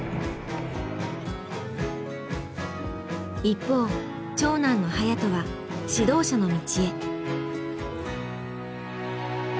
一方長男の颯人は指導者の道へ。